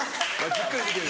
じっくり見てる。